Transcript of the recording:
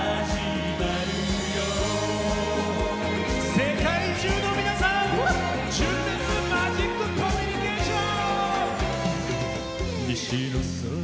世界中の皆さん純烈マジックコミュニケーション！